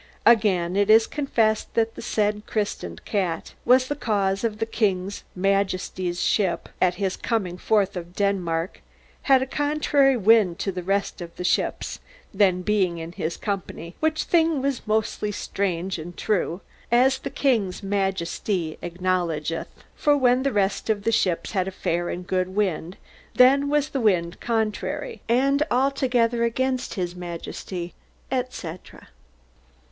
Againe it is confessed that the said christened cat was the cause of the kinges majestie's shippe, at his coming forthe of Denmarke, had a contrarie winde to the rest of the shippes then being in his companie, which thing was most straunge and true, as the kinges majestie acknowledgeth, for when the rest of the shippes had a fair and good winde, then was the winde contrairie, and altogether against his majestie,' etc."[C] [C] Hone's "Every day Book," vol. i.